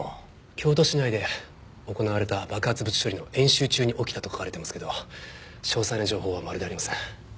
京都市内で行われた爆発物処理の演習中に起きたと書かれてますけど詳細な情報はまるでありません。